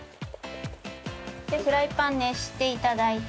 フライパン熱して頂いて。